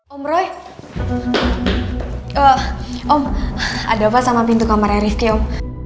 om roy om ada sama pintu kamarnya rifki om